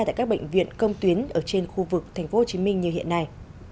tại các bệnh viện công tuyến ở trên khu vực tp hcm như hiện nay